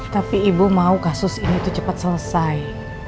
tapi ibu mau kasus ini tuh cepet selesai